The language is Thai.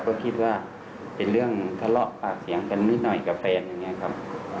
ก็คิดว่าเป็นเรื่องทะเลาะปากเสียงกันนิดหน่อยกับแฟนอย่างนี้ครับ